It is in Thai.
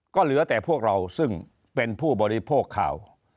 ก็เหลือแต่พวกเราซึ่งเป็นผู้บริโภคข่าว